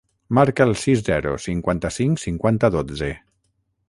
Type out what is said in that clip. Marca el sis, zero, cinquanta-cinc, cinquanta, dotze.